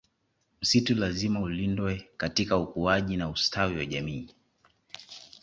Msitu lazima ulindwe katika ukuaji na ustawi wa jamii